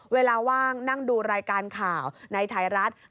เวลาว่างนั่งดูรายการข่าวในไทยรัฐ